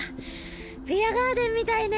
ビアガーデンみたいね